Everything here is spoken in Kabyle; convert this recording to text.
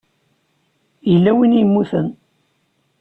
Yella win i yemmuten.